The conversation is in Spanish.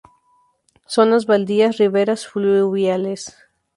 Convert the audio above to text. Zonas baldías, riberas fluviales.